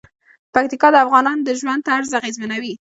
پکتیکا د افغانانو د ژوند طرز اغېزمنوي.